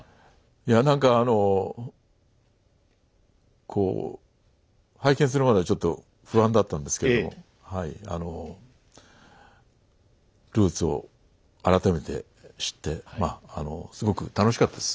いや何かあのこう拝見するまではちょっと不安だったんですけれどもはいあのルーツを改めて知ってまあすごく楽しかったです。